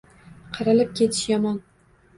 Qirilib ketish — yomon